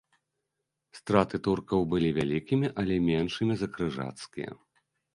Страты туркаў былі вялікімі, але меншымі за крыжацкія.